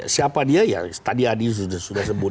siapa dia ya tadi adi sudah sebut